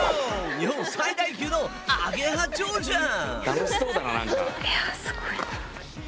日本最大級のアゲハチョウじゃん！